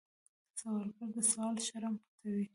سوالګر د سوال شرم پټوي